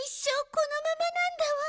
このままなんだわ。